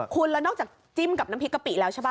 คุณแล้วนอกจากจิ้มกับน้ำพริกกะปิแล้วใช่ป